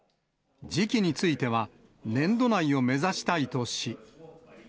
時期については、年度内を目指したいとし。